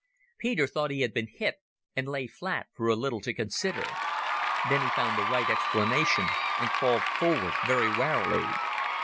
Peter thought he had been hit, and lay flat for a little to consider. Then he found the right explanation, and crawled forward very warily.